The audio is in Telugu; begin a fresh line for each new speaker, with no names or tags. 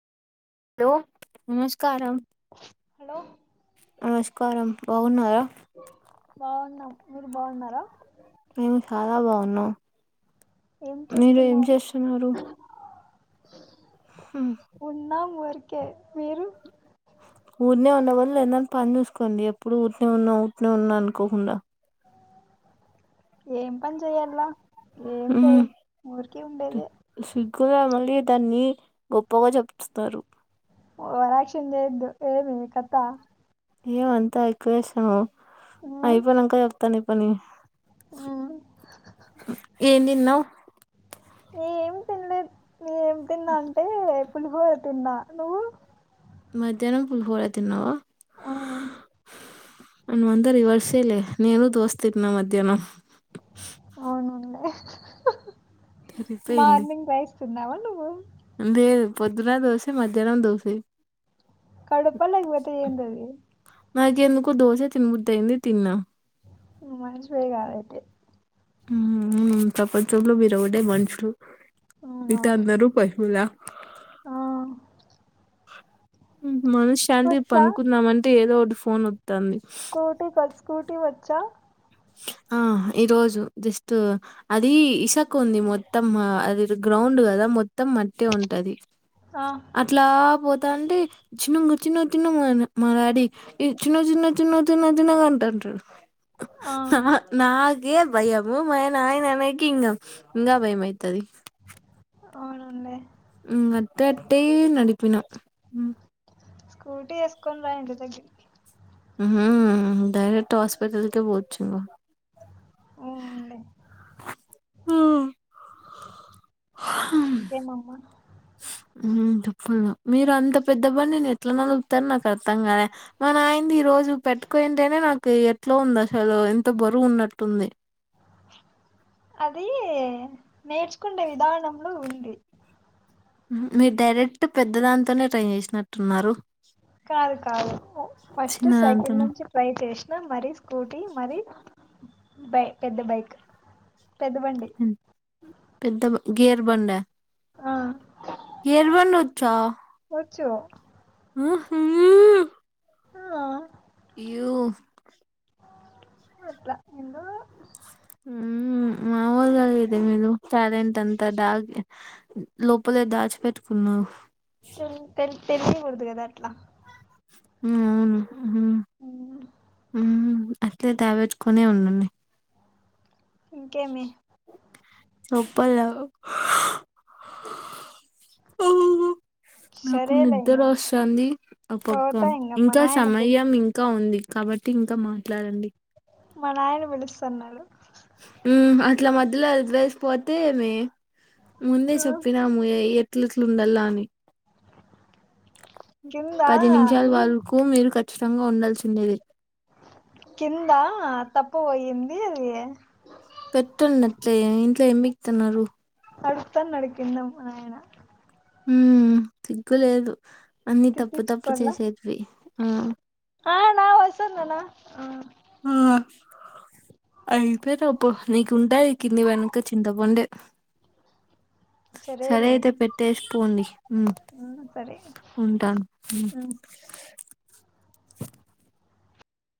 హలో నమస్కారం
హలో
నమస్కారం బాగున్నారా
బావున్నాం మీరు బావున్నారా
మేము చాలా బాగున్నాం
ఏం
మీరు ఏం
చేస్తున్నారు
చేస్తున్నారు
ఉన్నాం ఊరికే మీరు
ఊరినే ఉన్నం అని ఏదన్న పని చూసుకోండి ఎప్పుడు ఊరికనే ఉన్నాం ఊరికనే ఉన్నా అనుకోకుండా
ఏం పని చెయల్లా ఏం చేయం ఊరికే ఉండేదే
[unintelligible] మళ్లీ దాన్ని గొప్పగా చెప్తారు
ఓవరాక్షన్ చెయద్దు ఏమి కత
ఏమి అంతా ఎక్కువ చేస్తాన్నవు
ఆ
అయిపోనంక చెప్తా ని పని
ఆ
ఏం తిన్నవ్
ఏం తినలేదు నేను ఏం తిన్నా అంటే పులిహోర తిన్నా నువ్వు
మధ్యాహ్నం పులిహోర తిన్నావా
ఆ
మనమంత రివర్సేలే నేను దోస తిన్నా మధ్యానం
అవునవునులే మార్నింగ్ రైస్ తిన్నవా నువ్వు
లేేదు పొద్దున దోసే మధ్యానం దోసే
కడుపా లేకపోతే ఏందది
నాకు ఎందుకో దోస తినబుద్దయింది తిన్నా
నువ్వు మనషివే గాదు అయితే
ఉమ్ ఉ ప్రపంచంలో మీరు ఒకటే మనుషులు మీగిత
అవునవును
అందరు పశువులా
ఆ
మనశ్శాంతి
వచ్చా
పనుకుందామంటే ఏదో ఒకటి ఫోన్ వ త్తాంది
స్కూటీ స్కూటీ వచ్చా
ఆ ఈ రోజు జస్ట్ అది ఇసక ఉంది మొత్తం అది గ్రౌండ్ కదా మొ మొత్తం మట్టి ఉంటది
ఆ
అట్లా పో తాంటే చిన్నంగా చిన్న చిన్నంగా అని మా డాడీ ఈ చిన్న చిన్న చిన్న చిన్న చిన్నంగా అంటా టడు
ఆ
నా కే భయము మా నాయన అనేకి ఇంగ ఇంగా భయం అయితది
అవునండి
అట్టట్టే నడిపిన
స్కూటీ వేసుకొని రా ఇంటి దగ్గరికి
హ్మ్ డైరెక్ట్ హాస్పిటల్ కే పోవచ్చు గ
అవునండి
హ
ఇంకేమమ్మ
హ్మ చెప్పల మీరు అంత పెద్ద బండి నేను ఎట్లా నడుపుతారు నాకు అర్థంగానే మన నాయంది ఈ రోజు ను పెట్టుకోయింటేనే నాకు ఎట్లో ఉంది అసలు ఎంత బరువు ఉన్నట్టుంది
అది నేర్చుకుండే విధానంలో ఉంది
మీరు డైరెక్ట్ పెద్ద దానితోనే ట్రై చేసినట్టున్నారు
కాదు కాదు ఫస్ట్ సైకిల్
చిన్నదాంతోన
నుంచి ట్రై చేస్ మరి స్కూటీ మరి బై పెద్ద బైక్ పెద్ద బండి
పెద్ద గేర్ బండ
ఆ
గేర్ బండి ఒచ్చా
ఒచ్చు
ఉ హు
ఆ
ఈవ్
అట్ల ఎందో
ఉ మముల్గా లేదే మీలో టాలెంట్ అంతా డాగి లోపలే దాచిపెట్టుకున్నావ్
[unintelligible] తెలియకూడదు కదా అట్లా
హ్మ్ అవును
ఉమ్,
అట్లే [unintelligible] ఉండండి
ఇంకేమి
చొప్పల నాకు
సరేలే
నిద్ర
ఇంగ
వస్తంది ఒ పక్క
పోతా ఇంగ మా
ఇంకా
నాయన పిలు
సమయం ఇంకా ఉంది కాబట్టి ఇంకా మాట్లాడండి
మా నాయన పిలుస్తన్నాడు
ఉ అట్ల మధ్యలో వదిలేసి పోతే ఏమి ముందే
ఆ
చెప్పినాము ఎట్ల ఎట్ల ఉండల్లా అని
కింద
పది నిమిషాల
అది
వరకు మీరు కచ్చితంగా ఉండాల్సిండేదే
కిందా తప్పుపోయింది అది
పెట్టండి అట్లే ఇంట్లో ఏం పికుతున్నారు
[unintelligible] కింద మానాయన
ఉ సిగ్గులేదు అన్ని తప్పు తప్పు
తిట్టించుకోల్ల
చేసేటివి ఆ
ఆ నాన వస్తన్ నాన
ఆ అయిపోయినవు పో నీకు ఉంటాయి కిందికి పోయినంక చింతపండే సరే
సరేలే
అయితే పెట్టేసి పోండి హమ్
ఆ సరే
ఉంటాను హు
ఉమ్